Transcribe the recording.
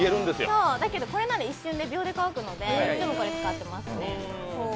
だけどこれなら一瞬で秒で乾くのでいつもこれ使ってますね。